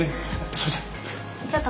それじゃあ。